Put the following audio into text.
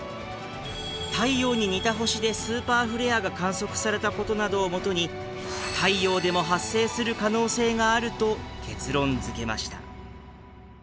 太陽に似た星でスーパーフレアが観測されたことなどを基に太陽でも発生する可能性があると結論づけました。